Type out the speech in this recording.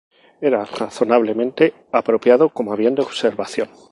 Era razonablemente apropiado como avión de observación.